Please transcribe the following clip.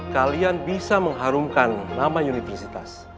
kalian bisa mengharumkan nama universitas